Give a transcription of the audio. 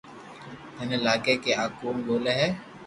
ٿني لاگي ڪي آ ڪوڻ ٻولي ھي